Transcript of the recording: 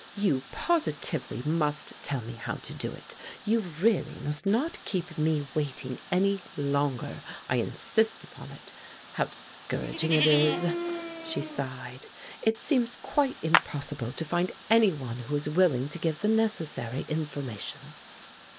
You positively must tell me how to do it. You really must not keep me waiting any longer. I insist upon it.' How discouraging it is!" she sighed. "It seems quite impossible to find any one who is willing to give the necessary information."